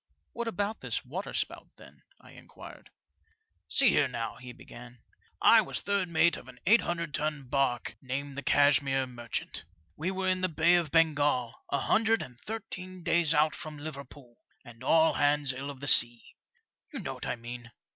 What about this waterspout, then ?" I inquired. See here, now," he began; I was third mate of an 800 ton barque, named the Cashmere Merchant, We were in the Bay of Bengal, a hundred and thirteen days out from Liverpool, and all hands ill of the sea. You know what I mean.